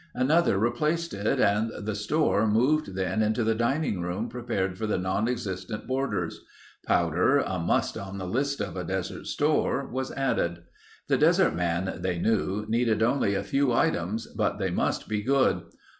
Another replaced it and the "store" moved then into the dining room prepared for the non existent boarders. Powder, a must on the list of a desert store, was added. The desert man, they knew, needed only a few items but they must be good.